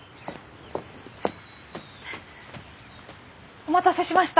お待たせしました！